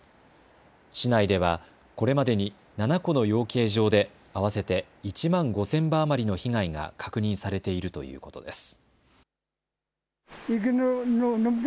市内ではこれまでに７戸の養鶏場で合わせて１万５０００羽余りの被害が確認されているということです。